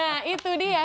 nah itu dia